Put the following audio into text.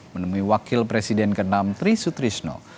menemui wakil presiden ke enam trisut trisno